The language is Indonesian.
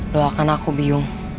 doakan aku byung